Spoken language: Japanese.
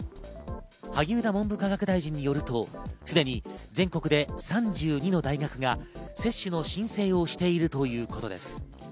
萩生田文部科学大臣によるとすでに全国で３２の大学が接種の申請をしているということです。